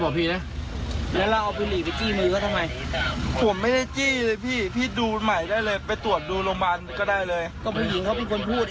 ก็ไปตรวจดูก็ได้ฮะพี่